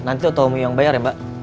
nanti pak tommy yang bayar ya mbak